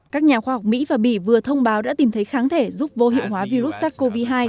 các nhà khoa học mỹ và bỉ vừa thông báo đã tìm thấy kháng thể giúp vô hiệu hóa virus sars cov hai